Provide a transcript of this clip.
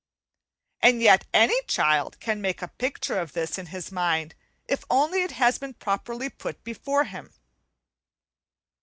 And yet any child can make a picture of this in his mind if only it has been properly put before him.